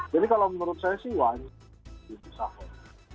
jadi kalau menurut saya sih wajib